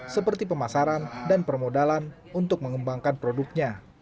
seperti pemasaran dan permodalan untuk mengembangkan produknya